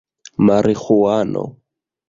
mariĥuano